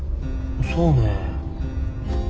そうね。